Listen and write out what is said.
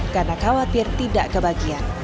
karena khawatir tidak kebagian